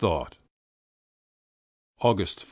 5th August.